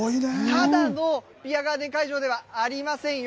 ただのビアガーデン会場ではありませんよ。